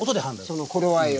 その頃合いを？